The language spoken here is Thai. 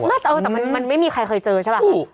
เออแต่มันไม่มีใครเคยเจอใช่ป่ะ